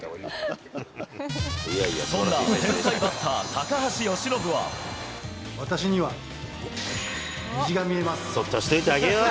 そんな天才バッター、私には虹が見えます。